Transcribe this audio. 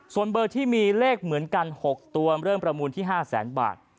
ส่วนเบอร์ที่มีเลขเหมือนกัน๖ตัวเริ่มประมูลที่๕แสนบาท